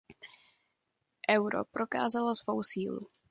Euro prokázalo svou sílu.